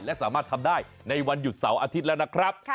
และสามารถทำได้ในวันหยุดเสาร์อาทิตย์แล้วนะครับ